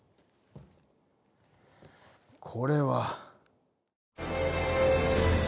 これは。